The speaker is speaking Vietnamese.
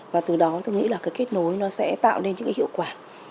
và từ đó tôi nghĩ là cái kết nối nó sẽ tạo nên những cái hiệu quả